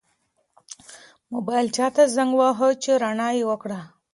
موبایل چا ته زنګ واهه چې رڼا یې وکړه؟